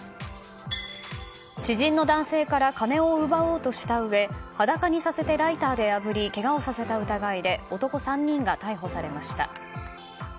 知人の男性から金を奪おうとしたうえ裸にさせてライターであぶりけがをさせた疑いで男３人が逮捕されました。